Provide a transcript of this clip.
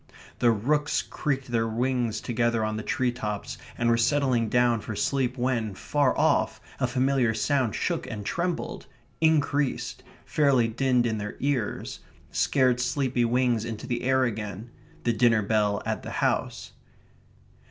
The rooks creaked their wings together on the tree tops, and were settling down for sleep when, far off, a familiar sound shook and trembled increased fairly dinned in their ears scared sleepy wings into the air again the dinner bell at the house.